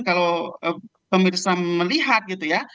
kalau pemirsa melihat gitu ya